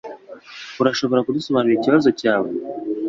Urashobora kudusobanurira ikibazo cyawe